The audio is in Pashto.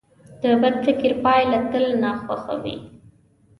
د بد فکر پایله تل ناخوښه وي.